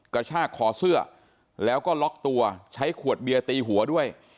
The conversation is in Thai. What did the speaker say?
กระชากคอเสื้อแล้วก็ล็อกตัวใช้ขวดเบียร์ตีหัวด้วย